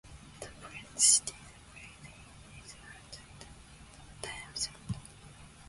Dappled Cities played in his allotted timeslot.